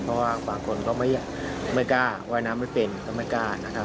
เพราะว่าบางคนก็ไม่กล้าว่ายน้ำไม่เป็นก็ไม่กล้านะครับ